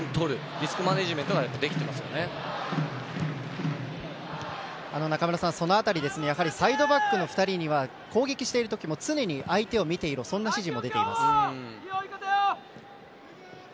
リスクマネジメントが中村さん、その辺りやはりサイドバックの２人には攻撃している時も常に相手を見ていろという指示も出ています。